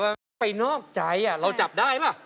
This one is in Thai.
ว่าไปนอกใจเราจับได้ไหม